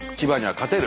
勝てる。